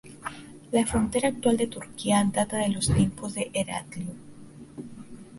La frontera actual de Turquía data de los tiempos de Heraclio.